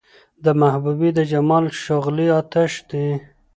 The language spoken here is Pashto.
د محبوبې د جمال شغلې اۤتش دي